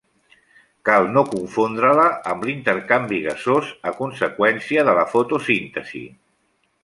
Cal no confondre-la amb l'intercanvi gasós a conseqüència de la fotosíntesi.